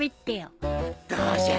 どうじゃ？